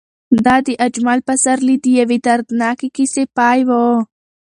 دا د اجمل پسرلي د یوې دردناکې کیسې پای و.